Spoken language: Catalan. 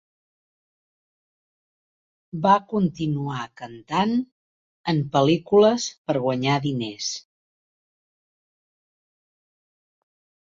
Va continuar cantant en pel·lícules per guanyar diners.